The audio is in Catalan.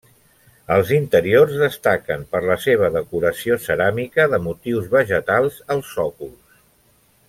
Els interiors destaquen per la seva decoració ceràmica de motius vegetals als sòcols.